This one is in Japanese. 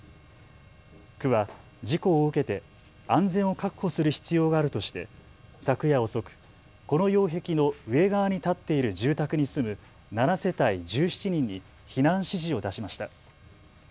区は事故を受けて安全を確保する必要があるとして昨夜遅くこの擁壁の上側に建っている住宅に住む７世帯１７人に避難指示を出しました。